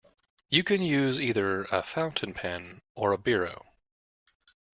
You can use either a fountain pen or a biro